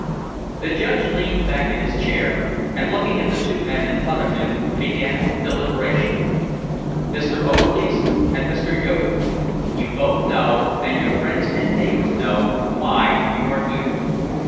The judge leaned back in his chair, and looking at the two men in front of him, began with deliberation: "Mr. Oberlies, and Mr. Yoeder, you both know, and your friends and neighbours know, why you are here.